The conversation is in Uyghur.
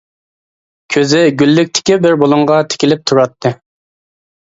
كۆزى گۈللۈكتىكى بىر بۇلۇڭغا تىكىلىپ تۇراتتى.